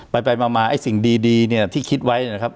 ไปไปมามาไอ้สิ่งดีดีเนี่ยที่คิดไว้เนี่ยนะครับ